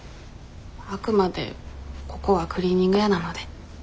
あくまでここはクリーニング屋なので。